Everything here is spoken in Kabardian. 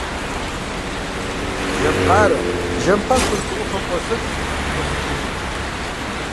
Жэм къарэ жэм пэхур хы ӏуфэм къосылӏ, ӏуосыкӏыж.